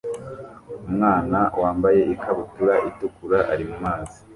Umwana wambaye ikabutura itukura ari mumazi